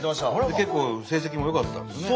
結構成績も良かったんですよね。